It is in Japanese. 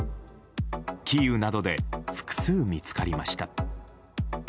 キーウなどで複数見つかりました。